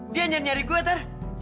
dia nyari nyari gua ter